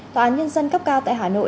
tòa nhân dân cấp cao tại hà nội